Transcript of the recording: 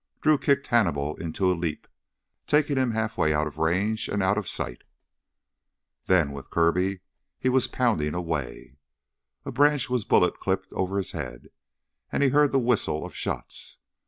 Drew kicked Hannibal into a leap, taking him half way out of range and out of sight. Then, with Kirby, he was pounding away. A branch was bullet clipped over his head, and he heard the whistle of shots.